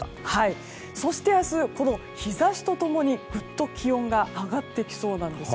そして明日、日差しと共にぐっと気温が上がってきそうなんです。